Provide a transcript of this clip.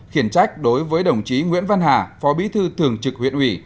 khiển trách đối với đồng chí nguyễn văn hà phó bí thư thường trực huyện ủy